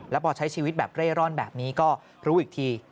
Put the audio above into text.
แล้วพอใช้ชีวิตแบบเร่ร่อนแบบนี้ก็รู้อีกที